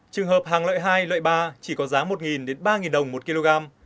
trường hợp hàng lợi hai lợi ba chỉ có giá một đến ba đồng một kg